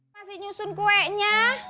masih nyusun kuenya